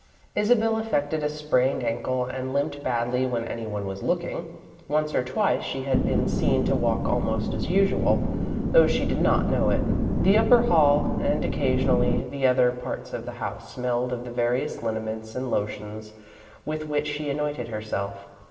Isabel affected a sprained ankle and limped badly when anyone was looking. Once or twice she had been seen to walk almost as usual, though she did not know it. The upper hall, and, occasionally, the other parts of the house, smelled of the various liniments and lotions with which she anointed herself.